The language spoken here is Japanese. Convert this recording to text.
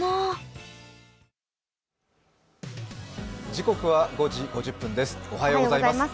時刻は５時５０分です、おはようございます。